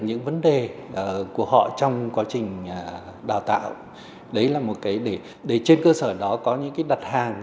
những vấn đề của họ trong quá trình đào tạo đấy là một cái để trên cơ sở đó có những cái đặt hàng